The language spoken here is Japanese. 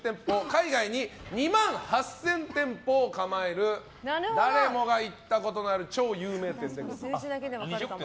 海外に２万８０００店舗を構える誰もが行ったことのある超有名店でございます。